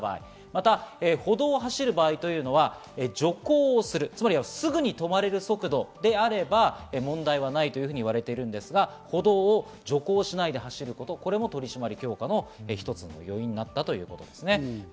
また歩道を走る場合は徐行する、つまりすぐに止まれる速度であれば、問題はないというふうに言われていますが、歩道を徐行しないで走ることも取り締まり強化の一つの要因になったということです。